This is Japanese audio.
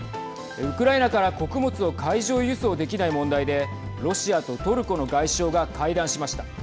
ウクライナから穀物を海上輸送できない問題でロシアとトルコの外相が会談しました。